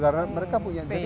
karena mereka punya